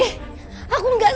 aku gak sanggup lagi sekarang